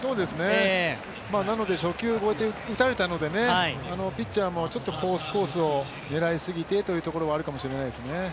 なので初球打たれたので、ピッチャーもちょっとコースコースを狙いすぎてというところがあるかもしれないですね。